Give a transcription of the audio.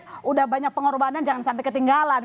sudah banyak pengorbanan jangan sampai ketinggalan